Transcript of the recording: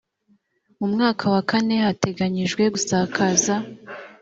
mu mwaka wa kane hateganyijwe gusakaza